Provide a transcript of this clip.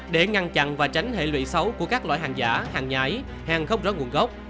để ngăn chặn và tránh hệ lụy xấu của các loại hàng giả hàng nhái hàng không rõ nguồn gốc